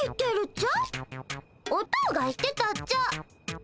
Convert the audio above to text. おとおが言ってたっちゃ。